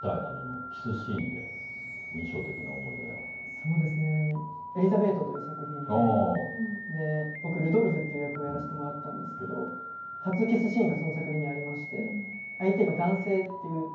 そうですね「エリザベート」という作品でで僕ルドルフっていう役をやらせてもらったんですけど初キスシーンがその作品にありまして相手が男性っていう。